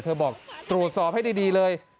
บอกตรวจสอบให้ดีเลย